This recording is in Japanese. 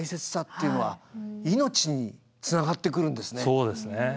そうですね。